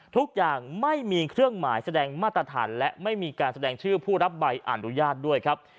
ทุกอย่างไม่มีเครื่องหมายแสดงมาตรฐานและไม่มีการแสดงชื่อผู้รับใบอนุญาตด้วยครับ